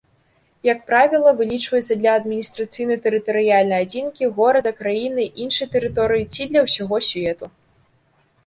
Як правіла, вылічваецца для адміністрацыйна-тэрытарыяльнай адзінкі, горада, краіны, іншай тэрыторыі ці для ўсяго свету.